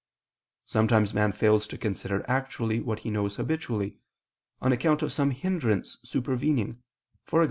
Sometimes man fails to consider actually what he knows habitually, on account of some hindrance supervening, e.g.